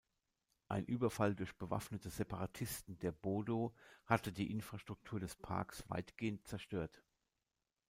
Ein Überfall durch bewaffnete Separatisten der Bodo hatte die Infrastruktur des Parks weitgehend zerstört.